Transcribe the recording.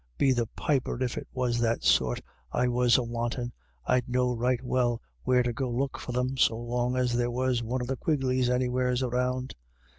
Be the piper, if it was that sort I was a wantin', I'd know right well were to go look for them, so long as there was one of the Quigleys anywheres around."